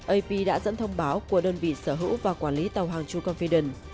ap đã dẫn thông báo của đơn vị sở hữu và quản lý tàu hàng truecompidence